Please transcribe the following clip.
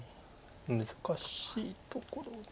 難しいところです。